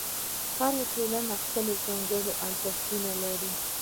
هره ټولنه خپل ځانګړي ارزښتونه لري.